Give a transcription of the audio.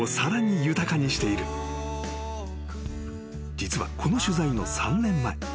［実はこの取材の３年前］